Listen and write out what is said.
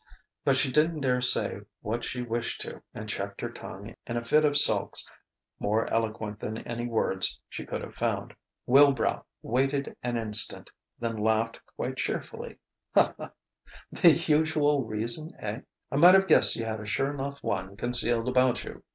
But she didn't dare say what she wished to, and checked her tongue in a fit of sulks more eloquent than any words she could have found. Wilbrow waited an instant, then laughed quite cheerfully. "The usual reason, eh? I might have guessed you had a sure 'nough one concealed about you....